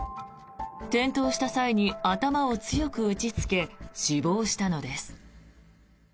転倒した際に頭を強く打ちつけ死亡したのです。